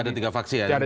oh ada tiga vaksin ya